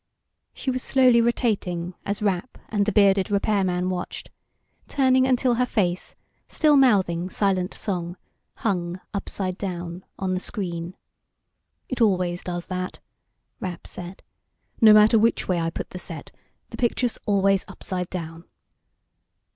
She was slowly rotating as Rapp and the bearded repairman watched, turning until her face, still mouthing silent song, hung upside down on the screen. "It always does that," Rapp said. "No matter which way I put the set, the picture's always upside down."